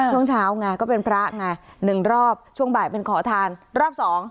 ช่วงเช้าไงก็เป็นพระไง๑รอบช่วงบ่ายเป็นขอทานรอบสอง